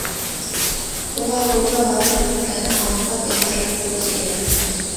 Уға күпме ваҡыт үткәнен аныҡлап әйтерлек түгел ине.